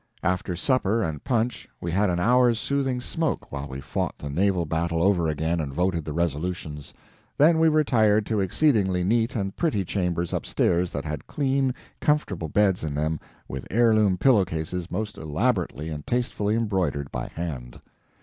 After supper and punch we had an hour's soothing smoke while we fought the naval battle over again and voted the resolutions; then we retired to exceedingly neat and pretty chambers upstairs that had clean, comfortable beds in them with heirloom pillowcases most elaborately and tastefully embroidered by hand.